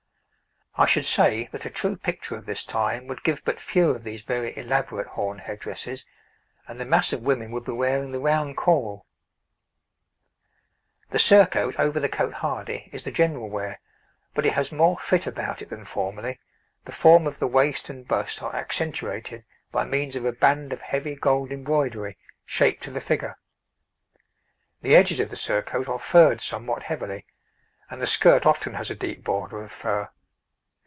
I should say that a true picture of this time would give but few of these very elaborate horn head dresses, and the mass of women would be wearing the round caul. [Illustration: {A woman of the time of Henry V.}] The surcoat over the cotehardie is the general wear, but it has more fit about it than formerly; the form of the waist and bust are accentuated by means of a band of heavy gold embroidery, shaped to the figure. The edges of the surcoat are furred somewhat heavily, and the skirt often has a deep border of fur.